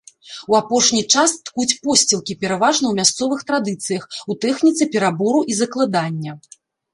У апошні час ткуць посцілкі пераважна ў мясцовых традыцыях у тэхніцы перабору і закладання.